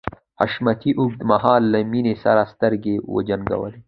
حشمتي اوږد مهال له مينې سره سترګې وجنګولې.